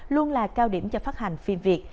luôn là cao điểm cho phát hành phim việt